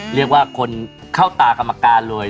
เรียกว่าคนเข้าตากรรมการเลย